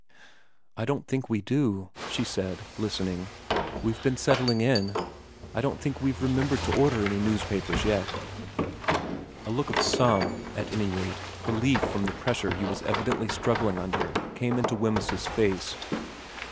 * I don't think we do,' she said, listening. ' We've been settling in. I don't think we've remembered to order any newspapers yet.' A look of some, at any rate, relief from the pressure he was evidently struggling under came into Wemyss's face.